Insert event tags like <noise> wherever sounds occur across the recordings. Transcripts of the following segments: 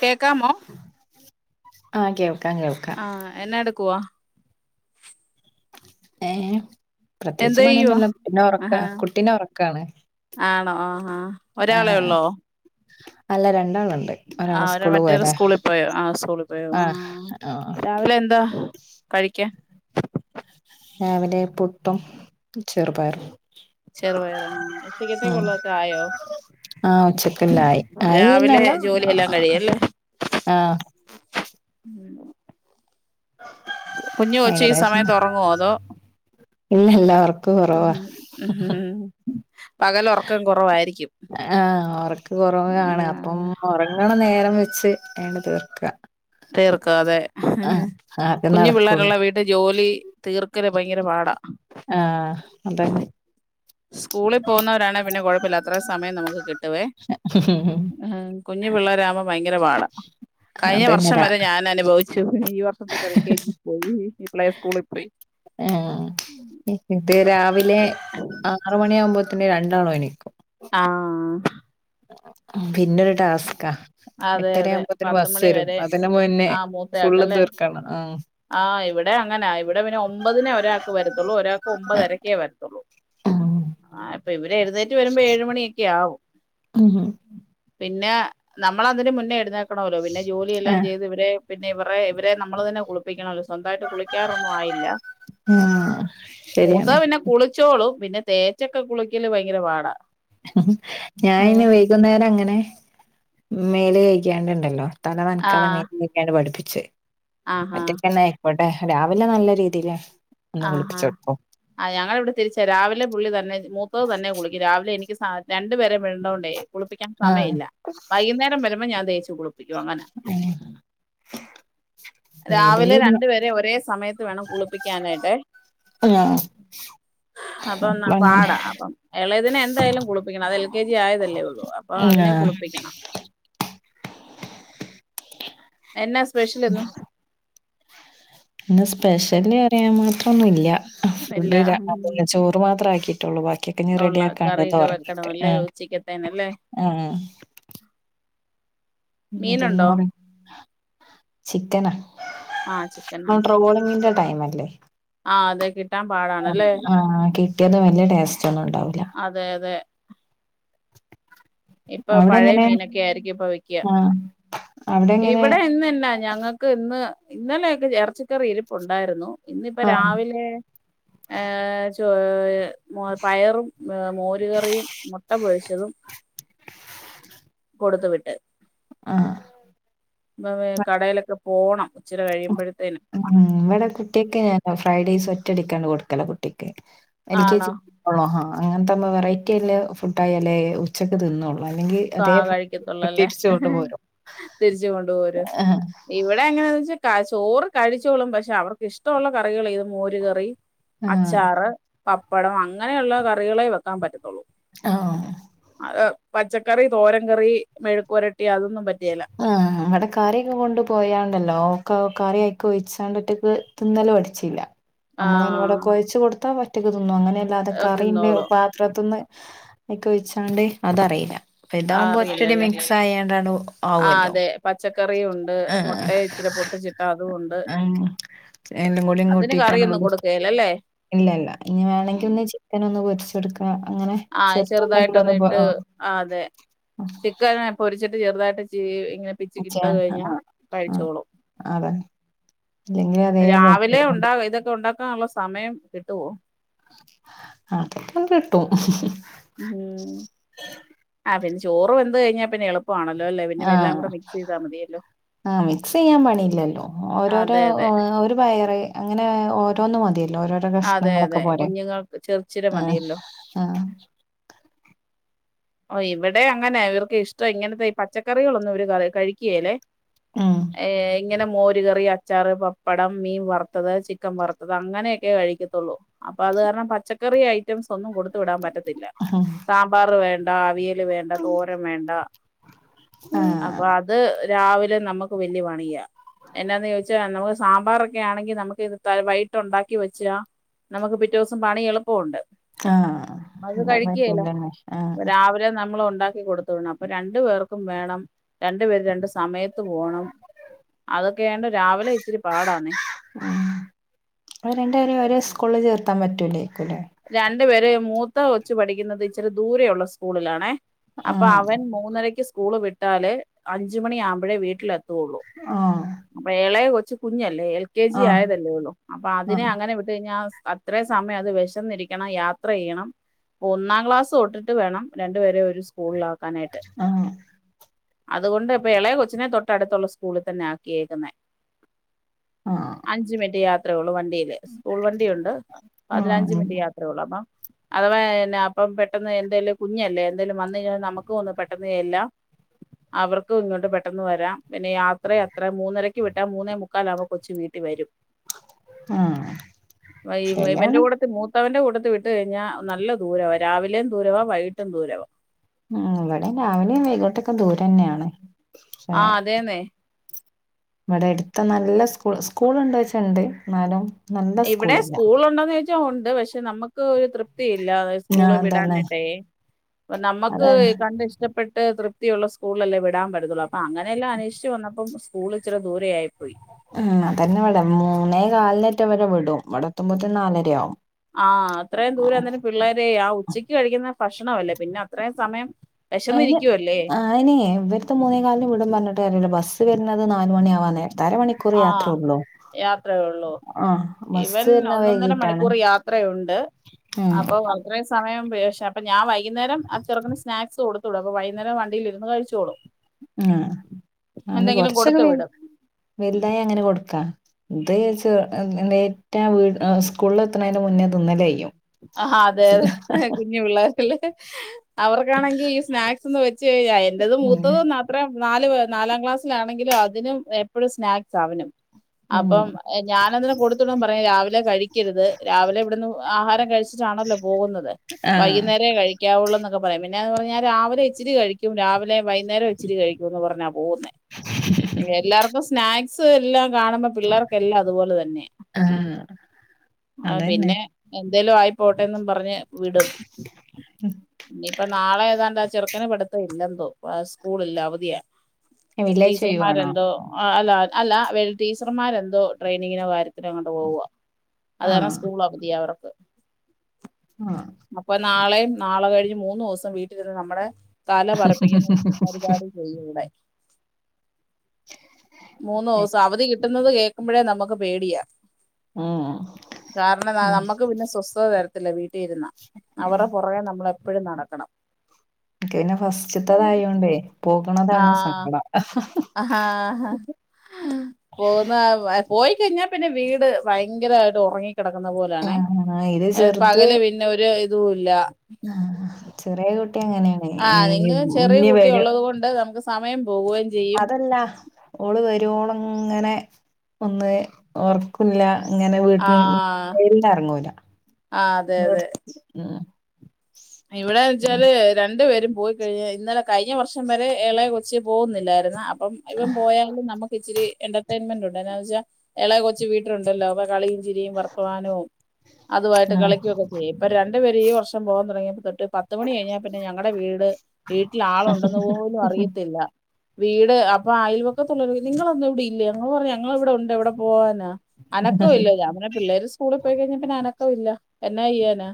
കേക്കാമോ ആ കേ ആ എന്ന എടുക്കുവാ ഏ പ്രത്യേച്ച് എന്ത് ചെയ്യുവാ പണിയൊന്നുല്ല പിന്നെ ഒറക്ക ആഹാ കുട്ടിനെ ഒറക്കാണ് ആണോ ആഹാ ആ അല്ല രൺ ആ ഒര മറ്റാള് സ്കൂളി പോയോ ആ സ്കൂളിൽ പോയോ ആ ആഹ് ആഹ് രാവിലെ എന്താ കഴിക്കാൻ രാവിലെ പുട്ടും ചെറുപയറും ചെറുപയറ ഉം ഉച്ചക്കത്തേക്കുള്ളതൊക്കെ ആയോ ആഹ് ഉച്ചക്കില്ലായി രാവിലെ ആയിന്നല്ല ജോലിയെല്ലാം കഴിയല്ലേ ആഹ് ഉം ഏകദേശം സമയത്ത് ഉറങ്ങുവോ അതോ ഇല്ലല്ല ഒർക്ക് കാെറവാ പകൽ ഉറക്കം കുറവായിരിക്കും ആ ഒർക്ക് കൊറവാണ് അപ്പം ആഹ് ഒറങ്ങ്ണ നേരം വ സ് ആണ്ട് തീർക്ക ഇട്ടീർക്കാതെ ആഹ് ആകെ കുഞ്ഞു നടക്കുള്ളൂ പിള്ളേരുള്ള വീട്ടിൽ ജോലി തീർ ങ്കര ഭയങ്കര പാടാ ആ അതന്നെ സ്കൂളി പോകുന്നവരാണെ പിന്നെ കൊഴപ്പല്ല അത്രേ സമയം നമു ക്ക് കി ട്ടുവേ കുഞ്ഞു പിള്ളേരാവുമ്പം ഭയങ്കര പാട കഴിഞ്ഞ അതന്നെ വർഷം രാ വരെ ഞാൻ അനുഭവി ച്ചു ഈ വർഷം തൊട്ട് എൽകെജി പോയി ഇ പ്ലേ സ്കൂളിപ്പോയി ആഹ് ഇത് രാവിലെ ആറ് മണിയാകുമ്പോത്ത്ന് രണ്ടാളും എണീക്കും ആ പിന്നൊരു ടാസ്കാ അതെ അതെ എട്ടരയാകുമ്പോത്തിന് ബസ് പത്തുമണി വരും വരെ അതിന് മുന്നേ ആ ഫുള്ള് മൂത്തയാക്കല്ലേ തീർക്കണം ആഹ് ആ ഇവിടെം അങ്ങെനാ ഇവിടെ പിന്നെ ഒമ്പതിനെ ഒരാൾക്ക് വരത്തൊള്ളൂ ഒരാൾക്ക് ഒമ്പതരക്കേ വരത്താെള്ളൂ ഉം ആ ഇപ്പൊ ഇവിടെ എഴുതേറ്റ് വരുമ്പോ ഏഴുമണിയൊക്കെ ആവും പിന്നെ നമ്മള അതിന് മുന്നേ എടുന്നേ ക്കണമല്ലോ പിന്നെ ജോലിയെല്ലാം ആഹ് ചെയ്ത് ഇവരെ പിന്നെ ഇവറെ ഇവരെ നമ്മള് തന്നെ കുളിപ്പിക്കണ <unintelligible> സ്വന്തായിട്ട് കുളിക്കാറൊന്നും ആയില്ല ആഹ് ശരിയാണ് മൂത്തത് പിന്നെ കുളിച്ചോളും പിന്നെ തേച്ചൊക്കെ കുളിക്കല് ഭയങ്കര പാടാ ഞാന് അയിന് വയികുന്നേരം അങ്ങനെ മേല് കഴിക്യാണ്ടുണ്ടല്ലോ തല നനക്കാതെ ആഹ് മേൽ കെഴിക്യാണ്ട് പടിപ്പി ച്ച് ആഹാ ഒറ്റക്കെന്നെ അയിക്കോ രാവിലെ നല്ല രീതിയില് ഒന്ന് ആഹ് കുളിപ്പിച്ചൊടുക്കും ആ യാ ഞങ്ങളിവിടെ തിരിച്ചാ രാവിലെ പുള്ളി തന്നെ മൂത്തത് തന്നെ കുളിക്കും രാവിലെ എനി ക്ക് സാ രണ്ടുപേരെ <unintelligible> ള്ളോണ്ടേ കുളിപ്പിക്കാൻ ആഹ് സമയവില്ല വൈകുന്നേരം വരുമ്പ ഞാൻ തേച്ച് കുളിപ്പിക്കും അങ്ങനാ രാവിലെ ഏതേലും ഒരു രണ്ട് പേരെ ഒരേ സമയ ത്ത് വേണം കുളിപ്പിക്കാനായി ട്ടേ അങ്ങനെ അപ്പം ന്നാ പാടാ അപ്പം ഇളയതിനെ എന്തായാലും കുളിപ്പിക്കണം അത് എൽ കെ ജി ആയതല്ലേ ഒ ള്ളൂ അപ്പൊ അതിനെ ആഹ് കുളിപ്പിക്കണം എന്നാ സ്പെഷ്യലിന്ന് ഇന്ന് സ്പെഷ്യലി അറിയാൻ മാ ത്രൊന്നൂല്ല്യ ഇല്ല ഫുഡ്ന്നെ ഉം <unintelligible> ചോറ് മാത്രം ആക്കി കിട്ടുള്ളു ബാ കിട്ട് ഞ്ഞ് ഉള്ള റെഡിയാക്കാണ്ട് ഒന്ന് കറിയൊക്കെ വെക്കണം ഒറങ്ങീട്ട് അല്ലേ ആ ഉച്ചക്കത്തേനല്ലേ ആ മീനുണ്ടോ <unintelligible> ചിക്കനാ ആഹ് ചിക്കൻ ആ ട്രോളിങ്ങിൻ്റെ ടൈമല്ലേ ആ അതെ കി ആഹ് കിട്ടിയത് വല്യ ടേസ്റ്റ് ഒന്നും ഉണ്ടാവില്ല അതെ അതെ ഇപ്പൊ പഴയ മീനൊക്കെ ആയിരിക്കും ഇപ്പ വിക്ക്യ ആഹ് അവിടെ എങ്ങനെ ഇവിടെ ഇന്ന് എന്നാ ഞങ്ങൾക്ക് ഇന്ന് ഇന്നലെയൊക്കെ എറച്ചിക്കറി ഇരിപ്പ് ഉണ്ടായിരുന്നു ഇന്ന്പ്പ ആഹ് രാവിലെ ഏ ഹേ പയറും ഹേ മോരുകറിയും മൊട്ട പൊരിച്ചതും കൊടുത്ത് വിട്ട് ആ ന്നവേ കടേലോക്കെ പോണം ഇച്ചിരി കഴിയുമ്പോഴത്തേനും മ് മ് ഇവടെ കുട്ടിഅക്കെ ഫ്രൈഡയ്സും ഒറ്റടിക്കാണ്ട് കൊടുക്കലാ കുട്യക്ക് എൽ ആണോ കെജി പോണ്ണോ അങ്ങനത്താമ്പോ വെറൈറ്റി ഇല്ലേ ഫുഡായാലേ ഉച്ചയ്ക്ക് തിന്നോളും കാ കഴിക്കത്തുള്ളല്ലേ കൊണ്ട് പോരും. തിരിച്ച് കൊണ്ട് പോരും ആഹ് ഇവിടെ അങ്ങനെന്ന് ക ചോറ് കഴിച്ചോളും ബഷേ അവർക്ക് ഇഷ്ടമുള്ള കറികൾക്ക് മോര് കറി ആഹ് അച്ചാറ് പ പ്പടം അങ്ങനെ ഉള്ള കറികളേ വെക്കാൻ പറ്റു ആ <unintelligible> കറി തോരം കറി മെഴുക് പരട്ടി അതൊന്നും പറ്റ ആ അവ്ടെ കറിയൊക്കെ കൊണ്ട് പോയാണ്ടല്ലോ കൗ കറി അയ്ക്ക് ഒഴിച്ചാണ്ട് ഒറ്റക്ക് തിന്നല് പഠിച്ചില്ല നമ്മള് ആഹ് ഇവിടൊക്കൊഴിച്ച് കൊടുത്താ ഒന്നും അങ്ങനെല്ലാതെ കറീമേൽ തിന്നോളും പാത്രത്ന്ന് അയ്ക് ഒഴിച്ചാണ്ട് അതറീല്ല ഇതാവുമ്പോ ഒറ്റടി അറിയില്ലല്ലേ മിക്സായാണ്ടടവ ആഹ് ആവുല്ലോ അതെ പച്ചക്കറിയും ഉണ്ട് ആ മുട്ട ഇച്ചിരി പൊട്ടിച്ചിട്ട അതും ഉണ്ട് അങ് എല്ലം കൂടി അതിന് കറിയൊന്നും കൂട്ടിടണ്ട് കൊടുക്കേലല്ലേ ഇല്ലല്ലാ ഇനിം വേണെങ്കി ഒന്ന് ചിക്കനോന്ന് പൊരിച്ചൊട്ക്കാ ആ ചെറുതായിട്ടൊന്ന് ഇട്ട് ആ അതെ ചിക്കനെ പൊരിച്ചിട്ട് ചെറുതാ <unintelligible> ഉച്ചാ ആമാ ആ അതെ എങ്ങനെ അതേ പോലെ <unintelligible> ക്കാള്ളേ സമയം കിട്ടുവോ അതൊക്കെ കിട്ടും ഉം അവിട് ന്ന് ചോറ് വെന്ത് കഴിഞ്ഞാ പിന്നെ എ ആ ആ മിക്സ് ചെയ്യാൻ പണിയില്ലല്ലോ ഓരോരോ അതെ അതെ ഒ ഒരു പയറെക്കെ അങ്ങനെ ഓരോന്നും മതിയ ന്റെ ഓരോരോ അതെ അതെ കഷ്ണങ്ങളൊക്കെ പോരെ കുഞ്ഞുങ്ങൾക്ക് ചെറുചിര ആഹ് മതിയല്ലോ ആഹ് ഓ ഇവിടെ അങ്ങനെ ഇവർക്ക് ഇഷ്ടം ഇങ്ങനത്തെ ഈ പച്ചക്കറികളൊന്നും ഇവര് ക കഴിക്ക്യേലേ ഉം ഏ ഇങ്ങനെ മോര് മോര് കറി, അച്ചാറ്, പപ്പടം, മീൻ വറത്തത്, ചിക്കൻ വറത്തത് അങ്ങനെയൊക്കെ കഴിക്കത്തൊള്ളൂ അപ്പോ അത് കാരണം പച്ച കറിയായി റ്റംസ് ഒന്നും കൊടുത്തു വിടാൻ പറ്റത്തില്ല സാമ്പാർ വേ ണ്ടാ അവി യല് വേണ്ട തോരൻ വേണ്ട അപ്പോ ആഹ് അത് രാവിലെ നമുക്ക് വല്ല്യ പണിയാ എന്നാന്ന് ചോദിച്ചാ നമുക്ക് സാമ്പാറൊക്കെ ആണെങ്കി നമുക്ക് ഇത് വൈകിട്ടോണ്ടാക്കി വെച്ചാ നമുക്ക് പിറ്റൊസം പണി എളുപ്പവോണ്ട് ആഹ് <unintelligible> പറ്റൂല്ലന്നെ ആഹ് രാവിലെ നമ്മള് ഒണ്ടാ ക്കി കൊടുത്തു വിടണം അപ്പോ രണ്ടു പേർക്കും വേണം രണ്ട് പേരും രണ്ട് സ് സമയത്ത് പോണം അതൊക്കെയാണ്ട് രാവിലെ ഇച്ചിരി പാടാന്നേ ആഹ് ത്താൻ പറ്റൂലെ ക്കുലെ ണ്ടുപേരെ മൂത്ത കൊച്ച് പഠിക്കുന്നത് ഇച്ചിരി ദൂരെയൊള്ള സ്കൂളിലാണേ അപ്പൊ ആഹ് അവൻ മൂന്നരക്ക് സ്കൂള് വിട്ട ട്ടാല് അഞ്ചു മണിയാകുമ്പോഴേ വീട്ടിലെത്ത ത്തൂള്ളു ആഹ് അപ്പൊ എളയ കൊ ച്കുഞ്ഞ ല്ലെ എൽ കെ ജി ആഹ് ആയതല്ലേ ഒള്ളൂ അപ്പൊ അതിനെ ആഹ് അങ്ങനെ വിട്ട് കഴിഞ്ഞാ സ് അത്രേ സമയം അത് വെഷ് ന്നിരിക്കണം യാത്ര യ്യണം ഒന്നാം ക്ലാസ് തൊട്ടിട്ട് വേണം രണ്ടുപേരെ ഒരു സ് കൂള്ലാക്കാനായിട്ട് ആഹ് അതുകൊണ്ട് പ്പെ എളയ കൊച്ചിനെ തൊട്ടടുത്തുള്ള സ്കൂളിൽ തന്നെ ആക്കിയേക്ന്നേ. ആഹ് അഞ്ച് മിൻറ്റ് യാ ത്രേള്ളൂ വ ണ്ടീല് സ്കൂൾ വണ്ടിയൊണ്ട് പതിനഞ്ച് ആഹ് മി പ്പോളപ്പം അഥവാ എന്ന അപ്പം പെട്ടെന്ന് എന്തേലും കുഞ്ഞല്ലേ എന്തേലും വന്ന് കഴിഞ്ഞാൽ നമുക്കും ഒന്ന് പെട്ടെന്ന് എ ല്ലാം അവർക്കും ഇങ്ങോട്ട് പെട്ടെന്ന് വരാം പിന്നെ യാത്രഎത്രെ മൂന്നരക്വിട്ട മുനെമുക്കാലാമ്പോ കൊച്വീട്ടിൽ വരും ആഹ് വ യി വ ഇവന്റെ ശരിയാണ് കൂടെത്തി മൂ ത്താവിന്റെ കൂടത്തി വിട്ട് കഴിഞ്ഞാ നല്ല ദൂരവാ രാവിലേം ദൂരവാ വൈകിട്ടും ദൂരവാ ഉം വടെ രാവിലേം വൈകീട്ടൊക്കെ ദൂരന്നെയാണ് ആഹ് അതെ ന്നെ വടെ എട്ത്ത് നല്ല സ്കൂ സ്കൂൾ ണ്ടോ യിച്ചാൽ ണ്ട് ന്നാലും ഇവിടെ സ്കൂൾ ഉണ്ടോന്ന് ചോദിച്ചാ ഉ പക്ഷെ നമുക്ക് ഒരു തൃപ്തിയില്ല സ്കൂള് ആഹ് അതന്നെ വിടാനായിട്ടേ അപ്പ നമ്മുക്ക് അതെ കണ്ട ഇഷ്ടപ്പെ തൃപ്തിയുള്ള സ്കൂളിലല്ലെ വിടാൻ പറ്റത്തൊള്ളു. അ അ അങ്ങനെല്ലാം അന്വേഷിച്ച് വന്നപ്പം സ സ്കൂളിച്ചിരി ദൂരെയായി പോയി ഉം അതുതന്നെവിടെ മൂന്നേ കാല മറ്റരെ വിടുംഇവിടെത്തുമ്പോത്ത നാലരയാവും ആ അത്രയും ദൂരം അന്നേരം പിള്ളേരെ ആ ഉച്ചയ്ക്ക് കഴിക്കുന്ന ഭക്ഷണമല്ലേ പിന്നെ അത്രയും സമയം അയിന് വിശന്നിരിക്കുവല്ലേ ആയിനെ ഇവിടുത്തെ മൂന്നേകാലിനും വിട്ടുന്നുപറഞ്ഞിട്ട് കാര്യംല്ല ബസ്സ് വരുന്നത് നാല മണി ആ <unintelligible> ആ യാത്രയേള്ളൂ ആഹ് ബസ്സ് ഇവൻ വരുന്ന ഒന്നൊന്നര വൈകീട്ടാണ് മണിക്കൂർ യാത്രയുണ്ട് ഉം അപ്പൊ അത്രേ സമയം വിശ അപ്പഞാൻവൈ വൈകുന്നേരം ചെറുകന് സ്നാക്സ് കൊ അപ്പ വൈകുന്നേരം വണ്ടിയിലിരുന്ന് കഴിച്ചോളും. ആ അതിന് എന്തെങ്കിലും കൊറച്ചൊക്കെ കൊടുത്തു വീണ് വിടും വ ഇ അങ്ങനെ കൊടുക്കാ ഇത് സ്കൂളിൽ എത്തണതിന് മുന്നേ തിന്നല് കഴിയും. ആ അതെ അതെ കുഞ്ഞു പിള്ളേരല്ലേ അവർക്കാണെങ്കിൽ ഈ സ്നാക്സ് ചെയ്യ എന്റേത് ഉം മൂത്തത് മാത്രം നാല് നാലാം ക്ലാസ്സിലാണെങ്കിലും അതിനും എപ്പഴും സ്നാക്സാ അവനും ഉം അപ്പം ഞാനതിന് കൊടുത്തു വിടുമ്പം പറയു രാവിലെ കഴിക്കരുത് രാവിലെ ഇവിടുന്ന് ആഹാരം ണല്ലോ പോകുന്നത് ആഹ് വൈകുന്നേരവേ കഴിക്കാവെ എന്നക്കെ പറയാം പിന്നെന്ന് പറഞ്ഞാൽ രാവിലെ ഇച്ചിരി കഴിക്കും രാവിലെ വൈകുന്നേരം ഇച്ചിരി കഴിക്കും എന്ന്പറഞ്ഞ മൂന്ന് എല്ലാവർക്കും സ്നാക് എല്ലാം കാണുമ്പോ പിള്ളേർക്കെല്ലാം അതുപോലെ തന്നെ ആഹ് ആ അതന്നെ പിന്നെ എന്തേലും ആയി പോട്ടെന്ന് പറഞ്ഞു വിടും ഇനിയിപ്പ നാളെ ഏതാണ്ടാ ചെറക്ക <unintelligible> പഠത്ത ഇല്ലാന്തോ സ്കൂളല്ല അവധിയാ വില്ലേജ് ചെയ്യുവാണോ ആ അല്ല അല്ല വ ടീച്ചർമാരെന്തോ ട്രെയിനിങ്ങിനോ കാര്യത്തിനോ അങ്ങോപോവ അതാരണം ആഹ് സ്കൂൾ അവധ അവർക്ക് ആഹ് അപ്പൊ നാളെയും നാളെ കഴിഞ്ഞ് മൂ മൂന്നു ദിവസം വീട്ടിൽന്ന് നമ്മുടെ തല പററപ്പിക്കുന്ന പരിപാടി ചെയ്യൂടെ മൂന്ന് ദിവസം അവധി കിട്ട കിട്ടുന്നത് കേൾക്കുമ്പോഴേ നമുക്ക് പേടിയാ മം കാരണം നമ്മുക്ക് പിന്നെ സ്വസ്ഥത തര ീ അവടെ പുറകെ നമ്മളെ ഇപ്പോഴും നടക്കണം എക്ക് പിന്നെ ഫസ്റ്റ തെ തായോണ്ടേ പോകണതാണ് സങ്കടം ആപോകുന്നതാ പോയിക്കഴിഞ്ഞാ പിന്നെ വീട് ഭയങ്കരമായിട്ട് ഉറങ്ങി കിടക്കുന്ന പോലാണ ആഹ് ഇത് പകല് പിന്നെ ഒരു തു ല്ല ആ ഹ ചെറിയ കുട്ടി അങ്ങനെയാണ് ആ നിങ്ങൾ ചെറിയ ഇനി കുട്ടി വര ഉള്ളത് കൊണ്ട് നമുക്ക് സമയം പോവുകയും ചെയ്യും അതല്ല ഓള് വരുവോളം അങ്ങനെ ഒന്ന് ഓർക്കില്ല അങ്ങനെ ആ വീട്ടുംല ഇറങ്ങൂല ആ ഇവിടെന്ന് വെച്ചാല് രണ്ടു പേരും പോയി കഴിഞ്ഞൽ ഇന്നലെ കഴിഞ്ഞ വർഷം വരെ ഇളയെ കൊച്ച് പോകുന്നില്ലായിരുന്നു അ അപ്പം ഇവൻ പോയാലും നമുക്ക് ഇച്ചിരി എന്റർടൈൻമെന്റ് ഉണ്ട് എന്നാന്ന് വൊ ഇളയെ കൊച്ച വീട്ടുണ്ടല്ലോ അ കളി ചിരിയും വർത്തമാനവും അതു വായിട്ട് കളിക്കുകയൊക്കെ ചെയ്യും ഇപ്പൊ രണ്ട് രണ്ട് പേരുംഈ വർഷം പോകാൻ തുടങ്ങിയപ്പം പത്ത്ുമണി കഴിഞ്ഞാൽ പിന്നെ ഞങ്ങളടെ വീട് വീട്ടിൽ ആളുണ്ടെന്ന് പോലും അറിയത്തില്ല വീട് അപ്പൊ അയൽവക്കത്തുള്ള നിങ്ങളൊന്നും ഇവിടെ ഇല്ല ഞങ്ങ പറഞ്ഞ ഞങ്ങ ഇവിടെ ഉണ്ട് എവിടെ പോവാനാ അനക്കോ ഇല്ല ഞമ്ന്നെ പിള്ളേര് സ്കൂളിൽ പോയി കഴിഞ്ഞാ പിന്നെ അന പോകൂല്ല എന്നാഎയ്യാനാ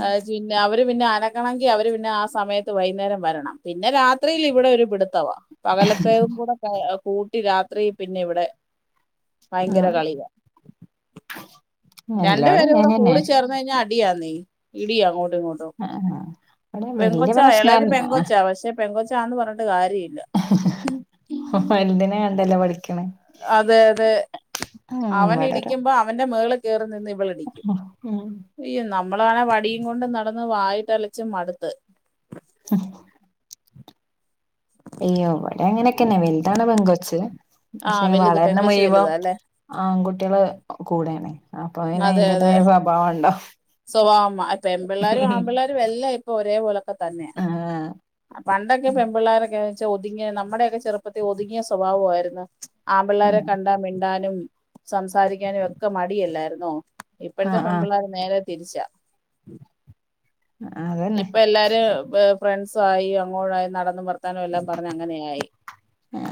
ആ <unintelligible> അവര് പിന്നെ അനങ്ങണങ്കി അവര് പിന്നെ ആ സമയത്ത് വൈന്നേരം വരണം പിന്നെ രാത്രിയിൽ ഇവിടെ ഒരു പിടുത്തവ പകലത്തെയും കൂടെ കൂട്ടി രാ ത്രീ പിന്നെ ഇവിടെ ആ ഭയങ്കര കളിയാ രണ്ടു എല്ലാടും ഇങ്ങനെ പേരൂടെ തന്നെ കൂടി ചേർന്ന് കഴിഞ്ഞാൽ അടിയാന്നെ ഇടിയ അങ്ങോ ങ്ങിട്ടും ആ ആ ഇവിടെ വല്യ പെൺകൊച്ച ഇളയത് പെൺകൊച്ച പക്ഷെ പെൺകൊച്ച് ആണ് പറഞ്ഞട്ട് വലിതിനേ കണ്ടല്ലോ പഠിക്കണേ അതെ അതെ ഉം അവൻ ഇവിടെ ഒരു ഇടിക്കുമ്പോ അവൻ്റ മേളിൽ കേറി നിന്ന് ഇവളിടിക്കും ഉം യ്യോ നമ്മ നമ്മള് വേണേ വടിയും കൊണ്ട് നടന്ന് വായിട്ടലച്ച് മടുത്ത് മ് അയ്യോ അങ്ങനൊക്കന്നെ വലുതാണ് പെൺകൊച്ച് ആ പക്ഷെ വലുത് വളെര്നെ‌ പെങ്കൊച്ച് മുഴ്‌വം വലുതാ അല്ലെ ആങ്കു കുട്ടിയെൾ കൂടെയാണ് അപ്പൊ പിന്നെ അതെ അതെ അതിന്റേതായ സ്വഭാവം ഉണ്ടാവും സ്വഭാവം അയ് പെൺപിള്ളെരും ആമ്പിള്ളെരും എല്ലാം ഇപ്പൊ ഒരേപോലെ ഒക്കെ തന്നെയാ ആ പണ്ടൊക്കെ പെൺ പിള്ളാരൊക്കെ <unintelligible> വെച്ചാ ഒതുങ്ങിയ നമ്മടെയൊക്കെ ചെറുപ്പത്തിൽ ഒതുങ്ങിയ സ്വഭാവ ആയിര്ന്ന് ആപിള്ളെരെ കണ്ടാ മിണ്ടാനും സംസാരിക്കാനും ഒക്കെ മടിയല്ലായിരുന്നോ ആ ഇപ്പഴ്ത്തെ ആ പെൺപിള്ളാര് നേരെ തിര്ച്ചാ ആ അതന്നെ ഇപ്പ എല്ലാരും എ് ഫ്രൺസ് ആയി അങ്ങോട്ടായി നട്ന്ന് ബർത്താനം എല്ലാം പറെഞ്ഞ് അങ്ങനെയായി ഏ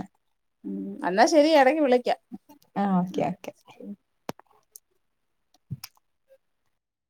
ഉം അന്നാ ശരി എടെയ്ക്ക് വിളി ആ ഓക്കെ ഓക്കെ